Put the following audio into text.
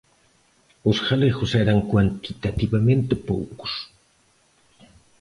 Os galegos eran cuantitativamente poucos.